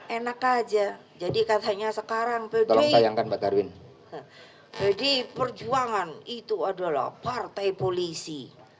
enak aja jadi katanya sekarang peduli yang kan pak darwin jadi perjuangan itu adalah partai polisi